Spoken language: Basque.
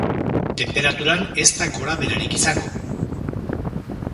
Tenperaturan ez da gorabeherarik izango.